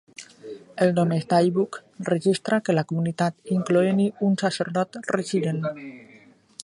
El "Domesday Book" registra que la comunitat incloent-hi un sacerdot resident.